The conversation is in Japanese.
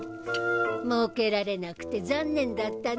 もうけられなくて残念だったね。